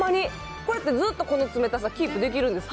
これってずっとこの冷たさキープできるんですか？